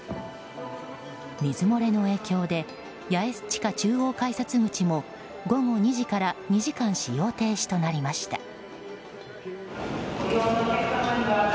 水漏れの影響で八重洲地下中央改札口も午後２時から２時間使用停止となりました。